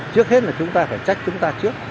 trước hết là chúng ta phải trách chúng ta trước